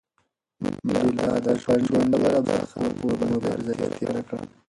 منډېلا د خپل ژوند ډېره برخه په مبارزه کې تېره کړه.